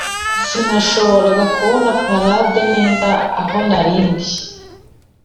sinashoboraga kubona parade neza aho nari ndi.